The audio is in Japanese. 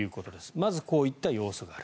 まず、こういった要素がある。